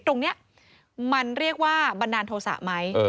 ตรงนี้มันเรียกว่าบันดาลโทษะไหม